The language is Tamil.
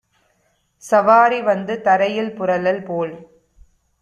சவாரி வந்து தரையில் புரளல் போல்